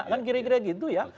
kan kira kira gitu ya